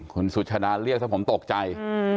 คุณสุชฎานเรียกสักผมตกใจ